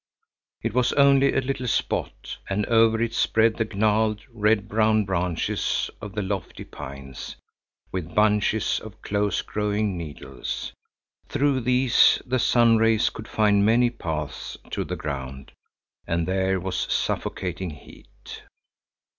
It was only a little spot, and over it spread the gnarled, red brown branches of the lofty pines, with bunches of close growing needles. Through these the sun's rays could find many paths to the ground, and there was suffocating heat.